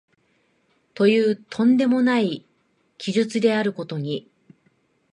という飛んでもない奇術であることに、